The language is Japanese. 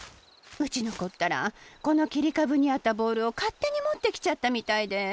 うちのこったらこのきりかぶにあったボールをかってにもってきちゃったみたいで。